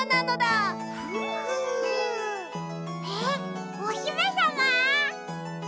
えっおひめさま？